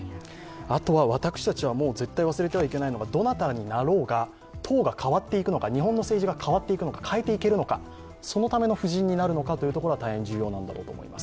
あとは私たちは絶対に忘れてはいけないのはどなたになろうが、党が変わっていくのか、日本の政治が変わっていくのか変えていけるのか、そのための布陣になるのかというところが大変重要なんだろうと思います。